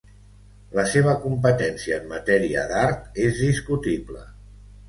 La seva competència en matèria d'art és discutible.